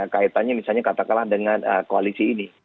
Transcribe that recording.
kaitannya misalnya katakanlah dengan koalisi ini